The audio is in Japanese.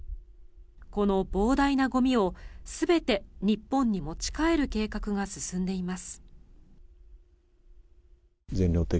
この膨大なゴミを全て日本に持ち帰る計画が進んでいます。